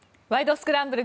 スクランブル」